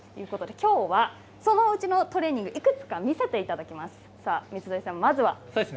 きょうはそのうちのトレーニングをいくつか見せていただきます。